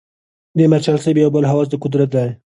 د مارشال صاحب یو بل هوس د قدرت دی.